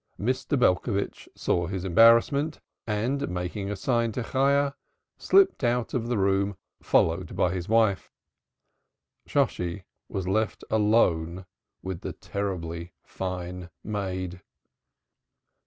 Mr. Belcovitch saw his embarrassment, and, making a sign to Chayah, slipped out of the room followed by his wife. Shosshi was left alone with the terribly fine maid.